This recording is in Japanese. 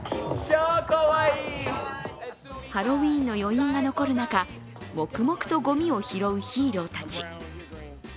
ハロウィーンの余韻が残る中、黙々とごみを拾うヒーローたち。